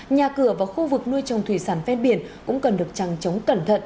nhà cửa và khu vực nuôi trồng thủy sản phép biển cũng cần được trăng chống cẩn thận